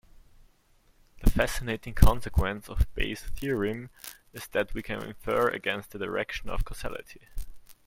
The fascinating consequence of Bayes' theorem is that we can infer against the direction of causality.